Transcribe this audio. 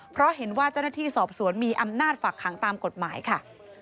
เพราะเห็นว่าเจ้าหน้าที่สอบสวนมีอำนาจฝักขังตามกฎหมายค่ะ